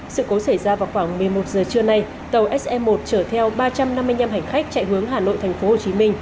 sự cố xảy ra vào khoảng một mươi một giờ trưa nay tàu se một chở theo ba trăm năm mươi năm hành khách chạy hướng hà nội tp hcm